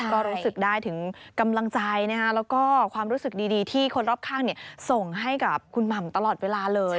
ก็รู้สึกได้ถึงกำลังใจแล้วก็ความรู้สึกดีที่คนรอบข้างส่งให้กับคุณหม่ำตลอดเวลาเลย